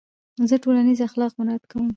زه ټولنیز اخلاق مراعت کوم.